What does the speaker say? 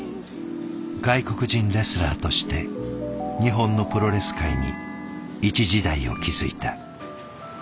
外国人レスラーとして日本のプロレス界に一時代を築いた。